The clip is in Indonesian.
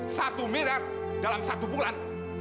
satu miliar dalam satu bulan